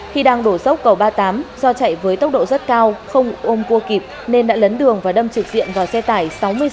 khi đang đổ dốc cầu ba mươi tám do chạy với tốc độ rất cao không ôm cua kịp nên đã lấn đường và đâm trực diện vào xe tải sáu mươi sáu